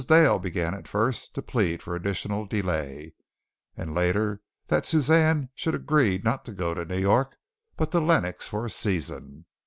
Dale began at first to plead for additional delay, and later that Suzanne should agree not to go to New York but to Lenox for a season.